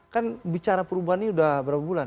kan bicara perubahan ini sudah berapa bulan